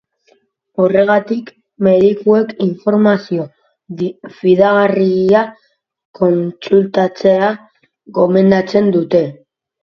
Horregatik, medikuek informazio fidagarria kontsultatzea gomendatzen dute.